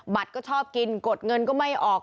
ก็ชอบกินกดเงินก็ไม่ออก